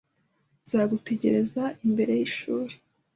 Nzagutegereza imbere yishuri